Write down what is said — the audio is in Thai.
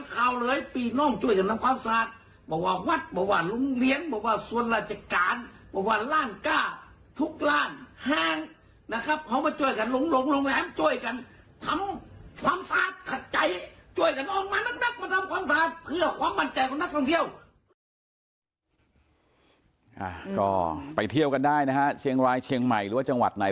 ก็ไปเที่ยวกันได้นะฮะเชียงรายเชียงใหม่หรือว่าจังหวัดไหน